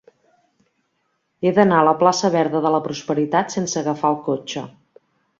He d'anar a la plaça Verda de la Prosperitat sense agafar el cotxe.